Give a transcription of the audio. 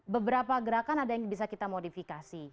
beberapa gerakan ada yang bisa kita modifikasi